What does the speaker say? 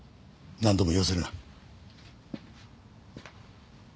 何度も言わせるな。